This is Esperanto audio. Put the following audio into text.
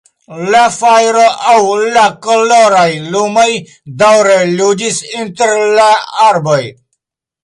La fajro aŭ la koloraj lumoj daŭre ludis inter la arboj.